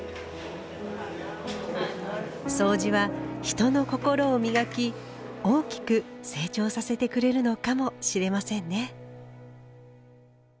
そうじは人の心を磨き大きく成長させてくれるのかもしれませんね。